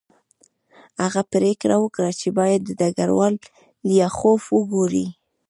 هغه پریکړه وکړه چې باید ډګروال لیاخوف وګوري